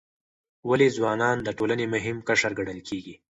ولې ځوانان د ټولنې مهم قشر ګڼل کیږي؟